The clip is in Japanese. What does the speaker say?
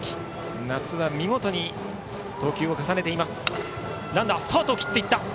夏は見事に投球を重ねています。